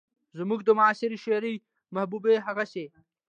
زموږ د معاصرې شاعرۍ محبوبه هغسې